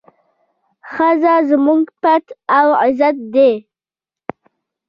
ښځه زموږ پت او عزت دی.